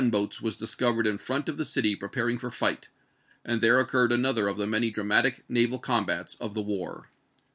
boats was discoveved in front of the city preparing for fight, and there occurred another of the many dramatic naval combats of the war.